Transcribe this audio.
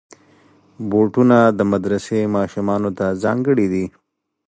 بوټونه د مدرسې ماشومانو ته ځانګړي دي.